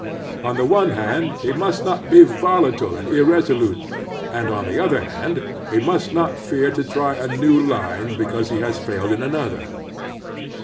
On the one hand, he must not be volatile and irreso lute, and, on the other hand, he must not fear to try a new line because he has failed in another.